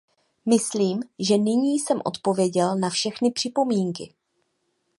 Myslím, že nyní jsem odpověděl na všechny připomínky.